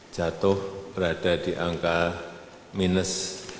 jatuh berada di angka minus